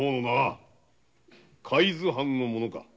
海津藩の者か？